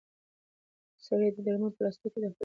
سړي د درملو په پلاستیک کې د خپلې مېرمنې د ژوند امید لېږداوه.